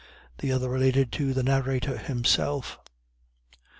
The other related to the narrator himself.